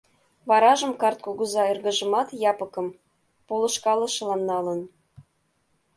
Варажым карт кугыза эргыжымат, Япыкым, полышкалышылан налын.